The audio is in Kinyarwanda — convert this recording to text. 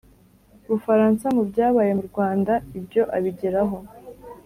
bufaransa mu byabaye mu rwanda. ibyo abigeraho